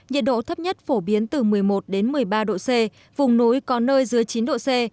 nhiệt độ thấp nhất phổ biến từ một mươi một đến một mươi ba độ c vùng núi có nơi dưới chín độ c